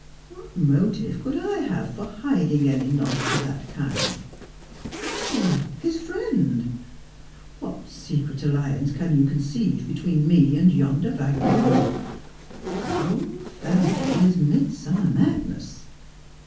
"What motive could I have for hiding any knowledge of that kind 1 I, his friend ! "What secret alliance can you conceive between me and yonder vagabond 1 The whole fancy is midsummer madness.